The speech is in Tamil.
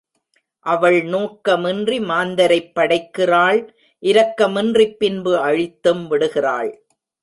அவள் நோக்கமின்றி மாந்தரைப் படைக்கிறாள் இரக்கம் இன்றிப் பின்பு அழித்தும் விடுகிறாள்.